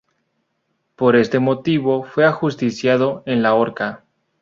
Por este motivo, fue ajusticiado en la horca.